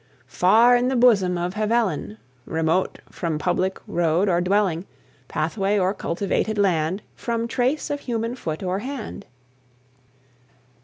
Far in the bosom of Helvellyn, Remote from public road or dwelling, Pathway, or cultivated land; From trace of human foot or hand.